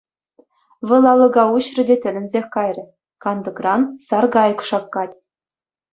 Вӑл алӑка уҫрӗ те тӗлӗнсех кайрӗ: кантӑкран саркайӑк шаккать.